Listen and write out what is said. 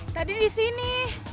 tadi di sini